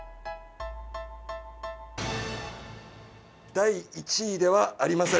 第１位ではありません。